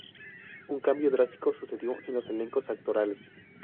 Un cambio drástico sucedió en los elencos actorales.